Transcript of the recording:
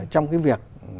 trong cái việc